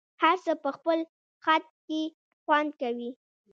هر څه په خپل خد کي خوند کوي